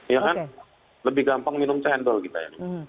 ya kan lebih gampang minum cendol kita ya